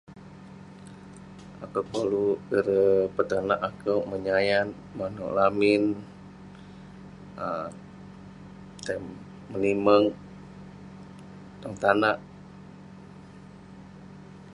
Akouk koluk ireh petonak akouk..menyayat, manouk lamin,[um] tai menimerk tong tanak..